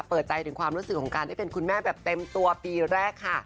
เปิดใจถึงความรู้สึกของการได้เป็นคุณแม่แบบเต็มตัวปีแรกค่ะ